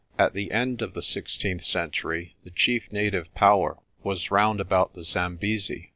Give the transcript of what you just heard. At the end of the sixteenth century the chief native power was round about the Zambesi.